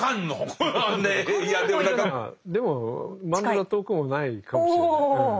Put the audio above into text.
でもまんざら遠くもないかもしれない。